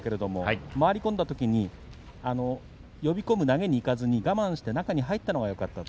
回り込んだときに呼び込む投げにいかずに我慢して中に入ったのがよかった。